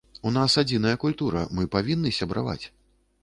У нас адзіная культура, мы павінны сябраваць.